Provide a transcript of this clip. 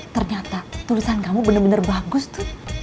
ternyata tulisan kamu bener bener bagus tut